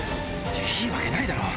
いいわけないだろ！